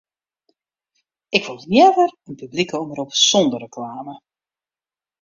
Ik wol leaver in publike omrop sonder reklame.